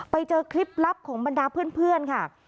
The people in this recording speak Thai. ไปเจอคลิปลับของบรรดาเพื่อนค่ะ